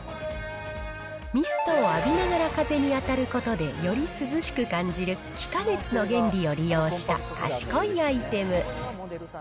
ミストを浴びながら風に当たることで、より涼しく感じる気化熱の原理を利用した賢いアイテム。